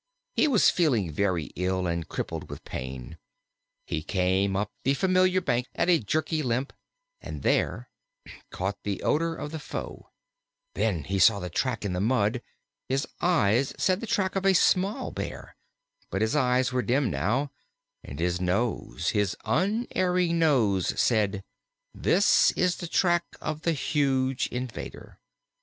He was feeling very ill, and crippled with pain. He came up the familiar bank at a jerky limp, and there caught the odor of the foe; then he saw the track in the mud his eyes said the track of a small Bear, but his eyes were dim now, and his nose, his unerring nose, said, "This is the track of the huge invader."